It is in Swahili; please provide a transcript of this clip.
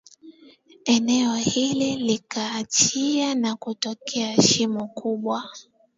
eneo hili likaachia na kutokea shimo kubwa